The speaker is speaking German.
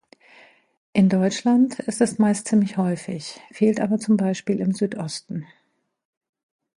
In Deutschland ist es meist ziemlich häufig, fehlt aber zum Beispiel im Südosten.